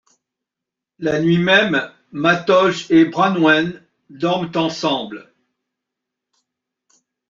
La nuit même, Matholwch et Branwen dorment ensemble.